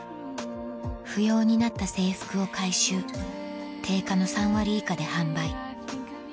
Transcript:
不要になった制服を回収定価の３割以下で販売